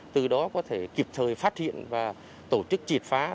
từ đó có thể kịp thời phát hiện và tổ chức triệt phá